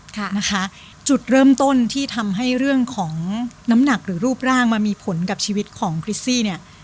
ค่ะนะคะจุดเริ่มต้นที่ทำให้เรื่องของน้ำหนักหรือรูปร่างมันมีผลกับชีวิตของคริสซี่เนี่ย